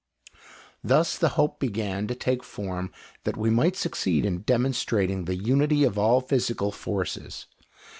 Thus the hope began to take form that we might succeed in demonstrating the unity of all physical forces.